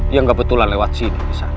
yang kebetulan lewat sini